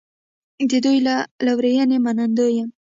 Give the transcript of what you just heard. د دوی له لورینې منندوی یم.